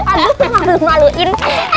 aduh ngakut maluin